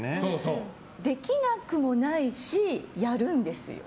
できなくもないしやるんですよ。